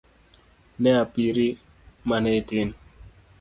Ne a piri mane itin